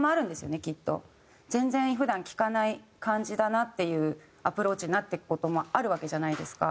全然普段聴かない感じだなっていうアプローチになっていく事もあるわけじゃないですか。